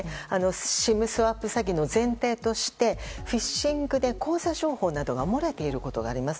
ＳＩＭスワップ詐欺の前提としてフィッシングで口座情報などが洩れていることがあります。